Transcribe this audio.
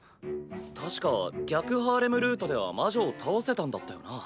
確か逆ハーレムルートでは魔女を倒せたんだったよな。